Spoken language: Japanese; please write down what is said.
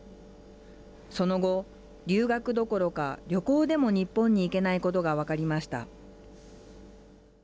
その後、留学どころか旅行でも日本に行けないことがわかりました。